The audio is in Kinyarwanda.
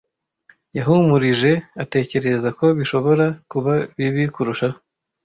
Yahumurije atekereza ko bishobora kuba bibi kurushaho.